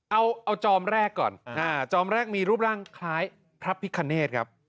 เอาจอมแรกก่อนจอมแรกมีรูปร่างคล้ายพระพิคเนธครับ